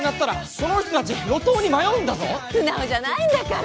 素直じゃないんだから！